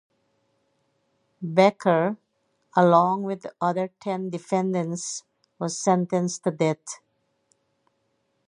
Becker, along with the other ten defendants, was sentenced to death.